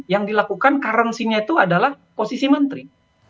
yang dilakukan karansinya itu adalah posisi menteri